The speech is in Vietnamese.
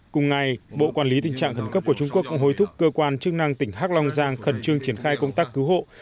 cùng ngày bộ quản lý tình trạng khẩn cấp của trung quốc cũng hối thúc cơ quan chức năng tỉnh hắc long giang khẩn trương triển khai công tác cứu hộ